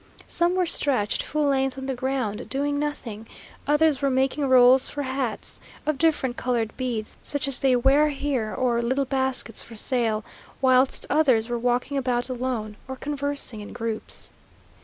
Some were stretched full length on the ground, doing nothing; others were making rolls for hats, of different coloured beads, such as they wear here, or little baskets for sale; whilst others were walking about alone, or conversing in groups.